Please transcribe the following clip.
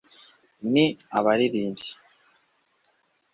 ni abaririmbyi